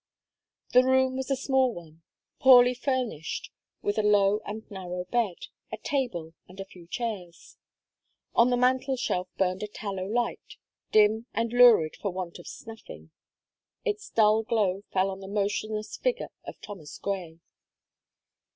The room was a small one, poorly famished, with a low and narrow bed, a table and a few chairs. On the mantle shelf burned a tallow light, dim and lurid for want of snuffing; its dull glow fell on the motionless figure of Thomas Gray.